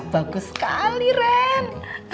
bagus sekali ren